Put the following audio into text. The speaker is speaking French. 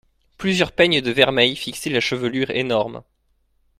Plusieurs peignes de vermeil fixaient la chevelure énorme.